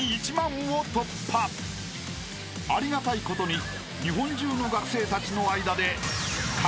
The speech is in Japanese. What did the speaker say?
［ありがたいことに日本中の学生たちの間で］